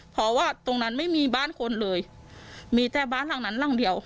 เพราะว่าตรงนั้นไม่มีบ้านคนเลยมีแต่บ้านหลังนั้นหลังเดียว